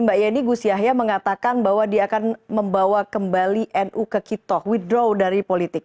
mbak yeni gus yahya mengatakan bahwa dia akan membawa kembali nu ke kitoh with draw dari politik